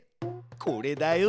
これだよ。